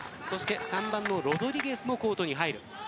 ３番のロドリゲスもコートに入る。